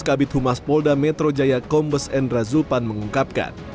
kabit humas polda metro jaya kombes endra zulpan mengungkapkan